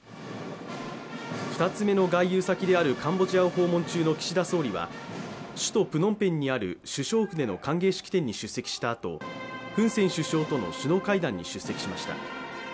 ２つ目の外遊先であるカンボジアを訪問中の岸田総理は首都プノンペンにある首相府での歓迎式典に出席したあと、フン・セン首相との首脳会談に出席しました。